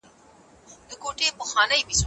ډېر کتابونه په بهرنیو ژبو لیکل سوي دي.